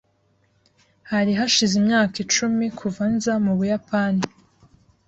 Hari hashize imyaka icumi kuva nza mu Buyapani.